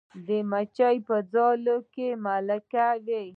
د مچۍ په ځاله کې ملکه وي